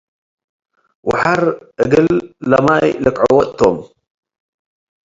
ወሐር እግል ለማይ ልክዕዎ እቶም ።